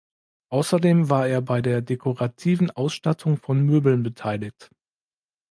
Außerdem war er bei der dekorativen Ausstattung von Möbeln beteiligt.